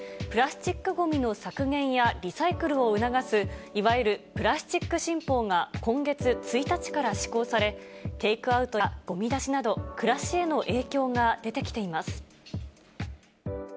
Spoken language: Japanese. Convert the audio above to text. プラスチックごみの削減やリサイクルを促すいわゆるプラスチック新法が今月１日から施行され、テイクアウトやごみ出しなど、暮らしへの影響が出てきています。